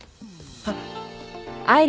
はっ。